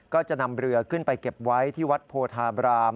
ก็จะนำเรือขึ้นไปเก็บไว้ที่วัดโพธาบราม